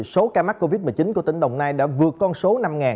số ca mắc covid một mươi chín của tỉnh đồng nai đã vượt con số năm